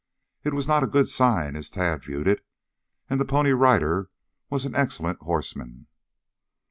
It was not a good sign as Tad viewed it, and the Pony Rider was an excellent horseman.